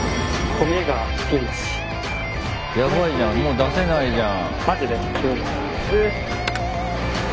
ヤバいじゃんもう出せないじゃん。